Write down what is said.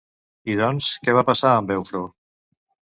I doncs, què va passar amb Eufró?